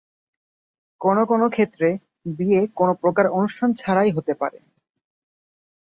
কোনো কোনো ক্ষেত্রে বিয়ে কোনো প্রকার অনুষ্ঠান ছাড়াই হতে পারে।